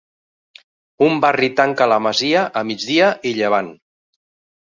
Un barri tanca la masia a migdia i llevant.